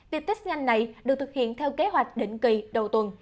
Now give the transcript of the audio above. việc test nhanh này được thực hiện theo kế hoạch định kỳ đầu tuần